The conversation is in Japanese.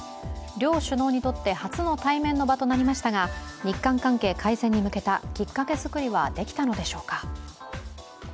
両首脳にとって初の対面の場となりましたが、日韓関係改善に向けたきっかけ作りはできたのでしょうか。